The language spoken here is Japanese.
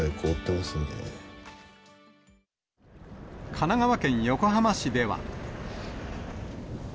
神奈川県横浜市では。